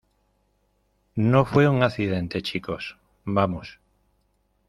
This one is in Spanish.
No, fue un accidente , chicos. Vamos .